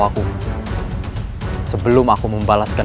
aku berjanji pada mu jaka